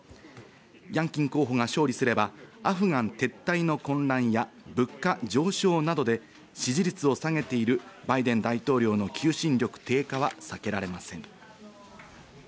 ヤンキン候補が勝利すればアフガン撤退の混乱や物価上昇などで支持率を下げているバイデン大統領の求心力低下は避けられません。